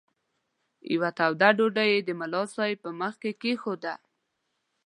یوه توده ډوډۍ یې د ملا صاحب په مخ کې کښېښوده.